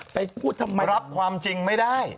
พูดทำไมรับความจริงไม่ได้